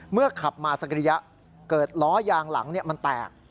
ขับมาสักระยะเกิดล้อยางหลังมันแตก